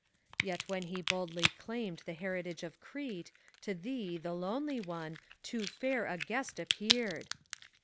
PHORKYAS. Yet when he boldly claimed the heritage of Crete, To thee, the lonely one, too fair a guest appeared.